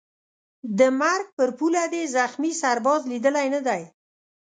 د مرګ پر پوله دي زخمي سرباز لیدلی نه دی